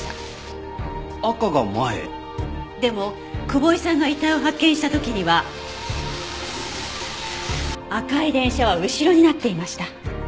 赤が前？でも久保井さんが遺体を発見した時には赤い電車は後ろになっていました。